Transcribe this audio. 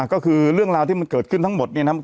ก็คือเรื่องราวที่มันเกิดขึ้นทั้งหมดเนี่ยนะ